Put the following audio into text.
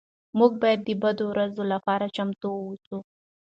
موږ باید د بدو ورځو لپاره چمتو اوسو.